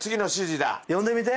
読んでみて。